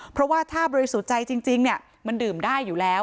เพราะว่าถ้าบริสุทธิ์ใจจริงมันดื่มได้อยู่แล้ว